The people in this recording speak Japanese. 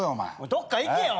どっか行けよ！